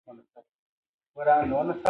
چې کور والا به د کوم ځاے نه راوړې وې